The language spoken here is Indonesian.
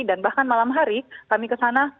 dan bahkan malam hari kami kesana